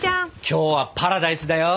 今日はパラダイスだよ！